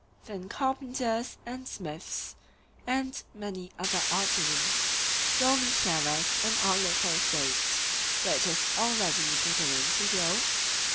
Then carpenters, and smiths, and many other artisans, will be sharers in our little State, which is already beginning to grow?